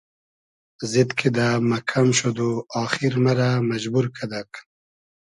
زید کیدۂ مئکئم شود و آخیر مئرۂ مئجبور کئدئگ